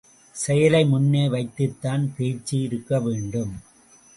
செயலை முன்னே வைத்துத்தான் பேச்சு இருக்க வேண்டும்.